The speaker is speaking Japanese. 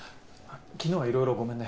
昨日はいろいろごめんね。